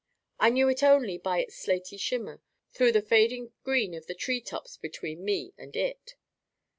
I knew it only by its slaty shimmer through the fading green of the tree tops between me and it.